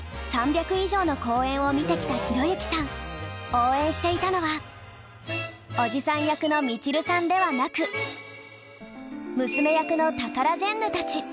応援していたのはおじさん役のみちるさんではなく娘役のタカラジェンヌたち。